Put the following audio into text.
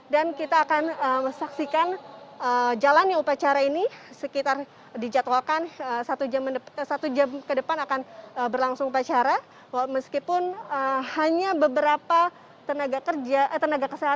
dan kita akan saksikan jalan yang upacara ini